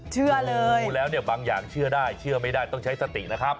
เชื่อเลยพูดแล้วเนี่ยบางอย่างเชื่อได้เชื่อไม่ได้ต้องใช้สตินะครับ